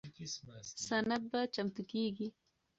سند به چمتو کیږي.